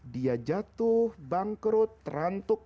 dia jatuh bangkrut terantuk